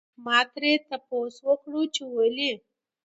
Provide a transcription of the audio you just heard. ما ترې تپوس وکړو چې ولې؟